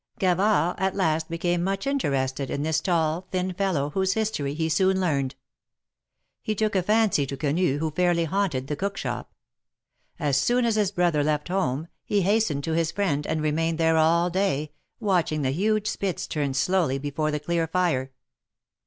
Gavard at last became much in terested in this tall, thin fellow, whose history he soon learned. He took a fancy to Quenu, who fairly haunted the cook shop. As soon as his brother left home, ho 64 THE MAEKETS OP PARIS. hastened to his friend, and remained there all day, watching the huge spits turn slowly before the clear fire.